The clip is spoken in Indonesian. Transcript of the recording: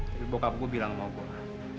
tapi bokap gua bilang mau gua